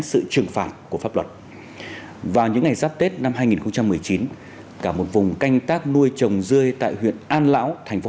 xin chào và hẹn gặp lại các bạn trong những video tiếp theo